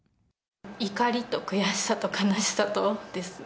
怒りと悔しさと悲しさとですね。